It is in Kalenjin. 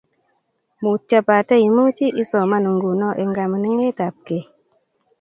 Mutyo pate imuchi isoman nguno eng kaminingetap kei